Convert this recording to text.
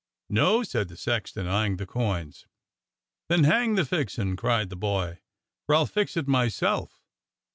"No!" said the sexton, eying the coins. "Then hang the fixin'!" cried the boy, "for I'll fix it myself.